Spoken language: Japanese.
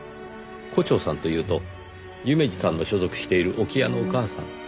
胡蝶さんというと夢路さんの所属している置屋のおかあさん？